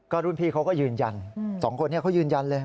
รุ่นพี่เขาก็ยืนยันสองคนนี้เขายืนยันเลย